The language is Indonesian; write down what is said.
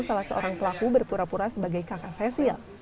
salah seorang pelaku berpura pura sebagai kakak sesil